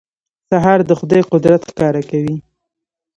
سهار د خدای قدرت ښکاره کوي.